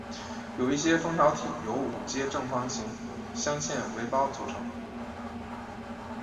有一些蜂巢体由五阶正方形镶嵌为胞构成